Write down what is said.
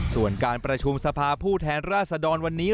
ส่วนการประชุมสภาผู้แทนราชดรวันนี้